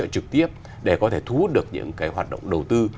trực tiếp để có thể thu hút được những hoạt động đầu tư